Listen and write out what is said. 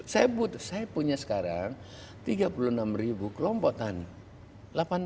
saya punya sekarang tiga puluh enam ribu kelompok tani